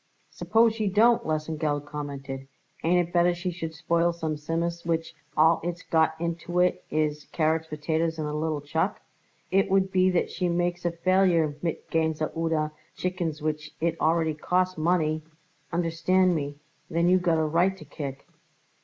"Suppose she don't," Lesengeld commented. "Ain't it better she should spoil some Tzimmus which all it's got into it is carrots, potatoes, and a little chuck? If it would be that she makes a failure mit Gänse oder chickens which it really costs money, understand me, then you got a right to kick."